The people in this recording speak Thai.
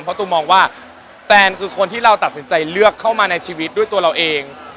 เพราะตูมมองว่าแฟนคือคนที่เราตัดสินใจเลือกเข้ามาในชีวิตด้วยตัวเราเอง